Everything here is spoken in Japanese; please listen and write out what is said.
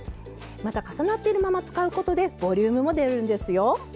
また重なっているまま使うことでボリュームも出るんですよ。